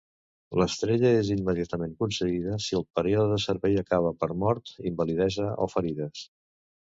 L'estrella és immediatament concedida si el període de servei acaba per mort, invalidesa o ferides.